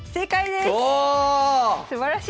すばらしい。